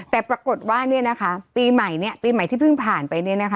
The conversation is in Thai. แต่ปรากฏว่าปีใหม่ปีใหม่ที่เพิ่งผ่านไป